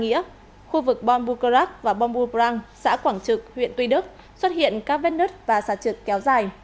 giang nghĩa khu vực bon bucurac và bon bucurang xã quảng trực huyện tuy đức xuất hiện các vết nứt và sạt trực kéo dài